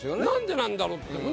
何でなんだろう？って